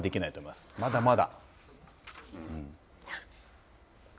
まだまだ。